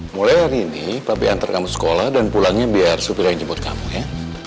mulai hari ini pabrik antar kamu sekolah dan pulangnya biar supir yang jemput kamu ya